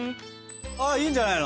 ああいいんじゃないの？